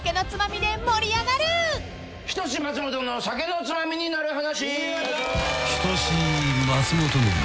『人志松本の酒のツマミになる話』